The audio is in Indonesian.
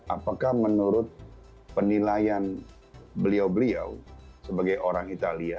apakah menurut penilaian beliau beliau sebagai orang italia